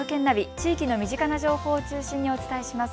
地域の身近な情報を中心にお伝えします。